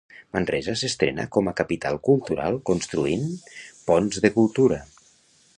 Manresa s'estrena com a capital cultural construint "ponts de cultura".